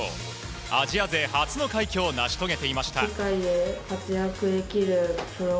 アジア勢初の快挙を成し遂げていました。